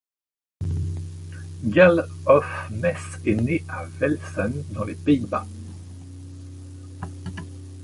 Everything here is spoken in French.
Gerlof Mees est né à Velsen, dans les Pays-Bas.